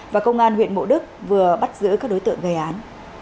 và công an huyện mộ đức vừa bắt giữ các đối tượng gây án